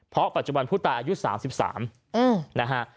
เพราะปัจจุบันผู้ตายอายุ๓๓นะฮะ